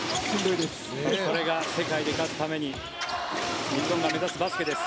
それが世界で勝つために日本が目指すバスケです。